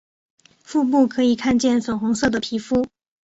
腹部可以看见粉红色的皮肤。